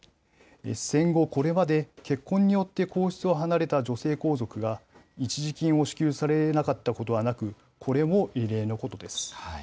戦後、これまで結婚によって皇室を離れた女性皇族が、一時金を支給されなかったことはなく、これも異例のことです。